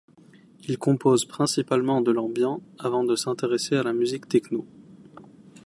Il compose principalement de l'ambient, avant de s'intéresser à la musique techno.